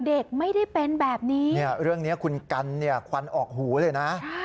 เด็กไม่ได้เป็นแบบนี้เนี่ยเรื่องนี้คุณกันเนี่ยควันออกหูเลยนะ